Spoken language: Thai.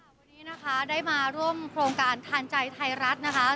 วันนี้นะคะได้มาร่วมโครงการทานใจไทยรัฐนะคะ